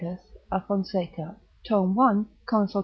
a Fonseca, tom. 1. consul.